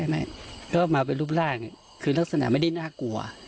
ไม่ก็มาเป็นรูปร่างคือลักษณะไม่ได้น่ากลัว